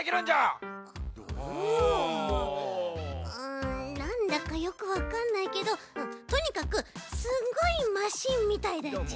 んなんだかよくわかんないけどとにかくすっごいマシンみたいだち。